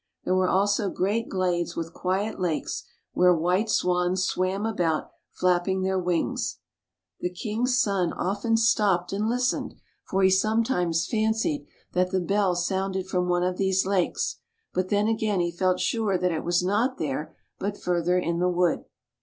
There were also great glades with quiet lakes, where white swans swam about flapping their wings. The king's son often stopped 348 ANDERSEN'S FAIRY TALES and listened, for he sometimes fancied that the bell sounded from one of these lakes; but then again he felt sure that it was not there, but further in the wood.